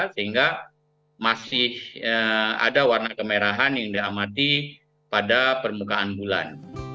sehingga masih ada warna kemerahan yang diamati pada permukaan bulan